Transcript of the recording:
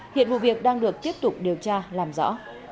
hiện vụ việc đang được tiếp tục điều tra làm rõ